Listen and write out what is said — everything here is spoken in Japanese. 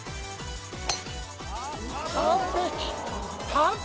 完璧。